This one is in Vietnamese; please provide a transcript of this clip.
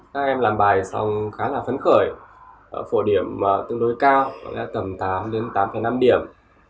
các em làm bài xong khá là phấn khởi phổ điểm tương đối cao tầm tám tám năm điểm